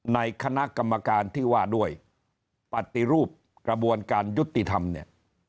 ในคณะกรรมการที่ว่าด้วยปฏิรูปกระบวนการยุติธรรมเนี่ย